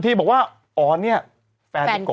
ที่บอกว่าอ๋อเนี่ยแฟนกบ